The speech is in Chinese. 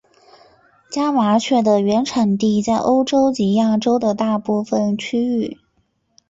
家麻雀的原产地在欧洲及亚洲的大部份区域。